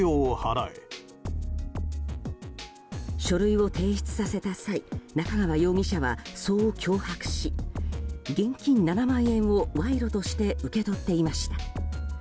書類を提出させた際仲川容疑者は、そう脅迫し現金７万円を賄賂として受け取っていました。